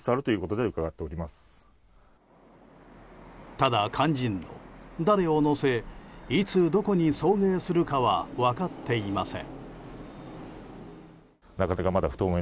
ただ肝心の、誰を乗せいつどこに送迎するかは分かっていません。